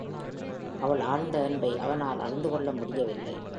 அவள் ஆழ்ந்த அன்பை அவனால் அறிந்து கொள்ள முடியவில்லை.